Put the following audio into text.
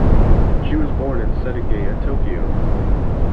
She was born in Setagaya, Tokyo.